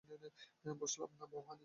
বুঝলাম না, ভবানী।